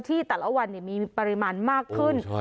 แต่ละวันมีปริมาณมากขึ้น